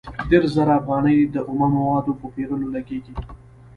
دېرش زره افغانۍ د اومه موادو په پېرلو لګېږي